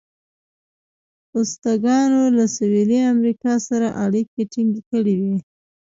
ازتکانو له سویلي امریکا سره اړیکې ټینګې کړې وې.